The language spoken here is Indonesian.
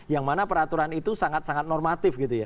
yang mana peraturan itu sangat sangat normatif gitu ya